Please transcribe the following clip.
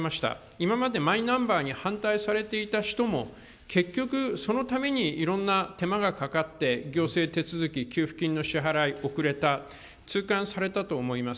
今までマイナンバーに反対されていた人も、結局、そのために、いろんな手間がかかって、行政手続き、給付金の支払い、遅れた、痛感されたと思います。